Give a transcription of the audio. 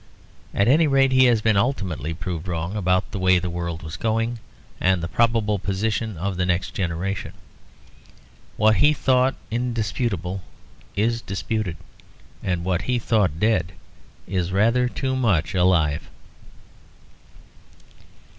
At any rate he has been ultimately proved wrong about the way the world was going, and the probable position of the next generation. What he thought indisputable is disputed; and what he thought dead is rather too much alive.